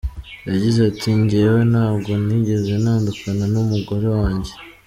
Yagize ati “Njyewe ntabwo nigeze ntandukana n’umugore wanjye.